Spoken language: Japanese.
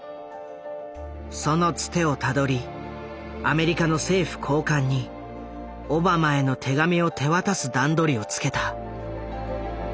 そのつてをたどりアメリカの政府高官にオバマへの手紙を手渡す段取りをつけた。